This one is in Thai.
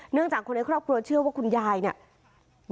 จากคนในครอบครัวเชื่อว่าคุณยายเนี่ย